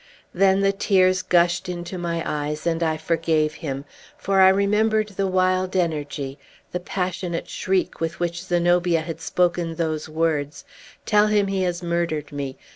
Then the tears gushed into my eyes, and I forgave him; for I remembered the wild energy, the passionate shriek, with which Zenobia had spoken those words, "Tell him he has murdered me!